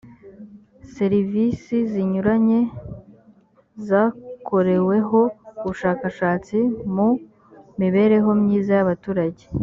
serivisi zinyuranye zakoreweho ubushakashatsi mu mibereho myiza y’abaturage